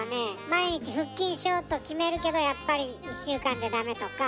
毎日腹筋しようと決めるけどやっぱり１週間でダメとか。